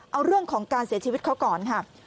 เอาเรื่องของการเสียชีวิตเขาก่อนค่ะ